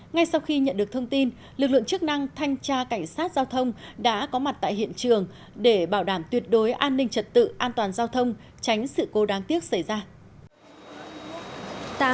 ngay sau khi nhận được thông tin lực lượng chức năng thanh tra cảnh sát giao thông đã có mặt tại hiện trường để bảo đảm tuyệt đối an ninh trật tự an toàn giao thông tránh sự cố đáng tiếc xảy ra